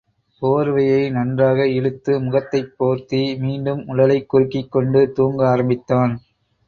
போர்வையை நன்றாக இழுத்து முகத்தைப் போர்த்தி, மீண்டும் உடலை குறுக்கிக் கொண்டுதூங்க ஆரம்பித்தான்.